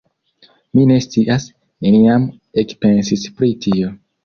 Mi ne scias, neniam ekpensis pri tio.